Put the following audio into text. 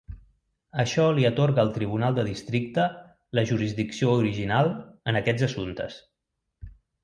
Això li atorga al Tribunal de Districte la jurisdicció original en aquests assumptes.